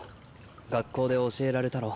学校で教えられたろ。